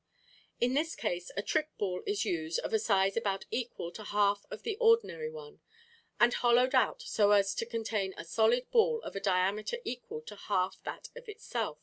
In this case a trick ball is used of a size about equal to half that of the ordinary one, and hollowed out so as to contain a solid ball of a diameter equal to half that of itself.